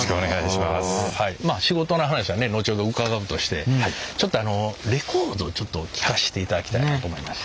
まあ仕事の話はね後ほど伺うとしてちょっとあのレコードちょっと聴かせていただきたいなと思いまして。